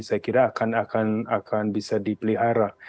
saya kira akan bisa dipelihara